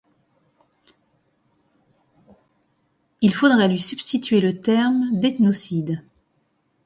Il faudrait lui substituer le terme d'ethnocide.